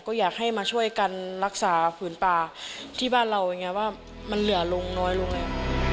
ก็อยากให้มาช่วยกันรักษาผืนปลาที่บ้านเราว่ามันเหลือน้อยลงเลย